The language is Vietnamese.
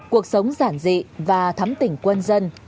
cuộc sống giản dị và thắm tỉnh quân dân